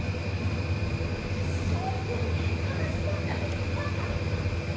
一生懸命探したんだけれども、いなかったって！